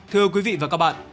thưa quý vị và các bạn